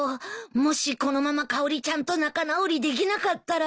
もしこのままかおりちゃんと仲直りできなかったら。